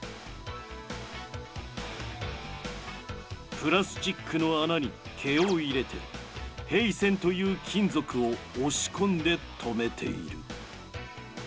プラスチックの穴に毛を入れて平線という金属を押し込んで留めている。